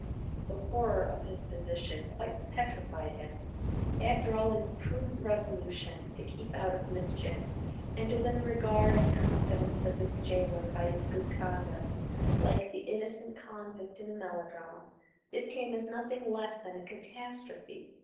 The horror of his position quite petrified him. After all his prudent resolutions to keep out of mischief and to win the regard and confidence of his gaoler by his good conduct, like the innocent convict in a melodrama, this came as nothing less than a catastrophe.